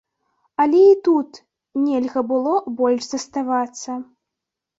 Але і тут нельга было больш заставацца.